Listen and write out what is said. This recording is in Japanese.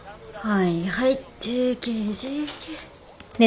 はいはい。